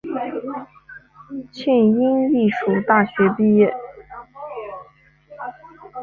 庆应义塾大学毕业。